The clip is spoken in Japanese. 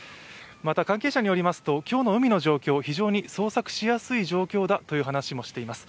また関係者によりますと今日の海の状況、非常に捜索しやすい状況だと話しています。